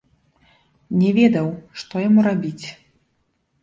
Не ведаў, што яму рабіць.